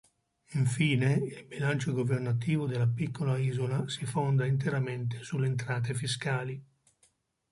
Infine, il bilancio governativo della piccola isola si fonda interamente sulle entrate fiscali.